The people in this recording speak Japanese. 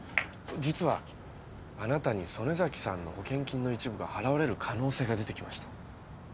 実はあなたに曽根崎さんの保険金の一部が払われる可能性が出て来ました。